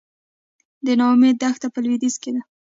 د نا امید دښته په لویدیځ کې ده